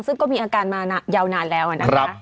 ซึ่งก็มีอาการมายาวนานแล้วนะคะ